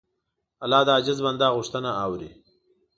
الله د عاجز بنده غوښتنه اوري.